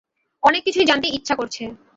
অনেক কিছুই জানতে ইচ্ছা করছে।